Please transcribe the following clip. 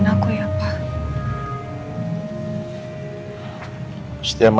semoga dia bisa